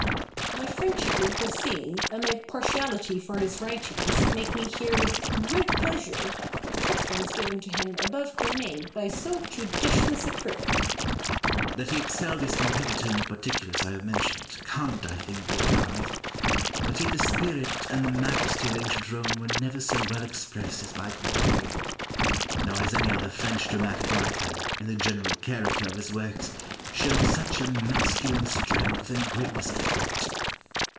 Boileau. My friendship with Racine, and my partiality for his writings, make me hear with great pleasure the preference given to him above Corneille by so judicious a critic. Pope. That he excelled his competitor in the particulars I have mentioned, can't, I think, be denied. But yet the spirit and the majesty of ancient Rome were never so well expressed as by Corneille. Nor has any other French dramatic writer, in the general character of his works, shown such a masculine strength and greatness of thought.